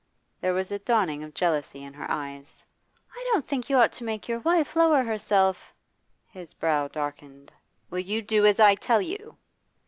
There was a dawning of jealousy in her eyes. 'I don't think you ought to make your wife lower herself ' His brow darkened. 'Will you do as I tell you?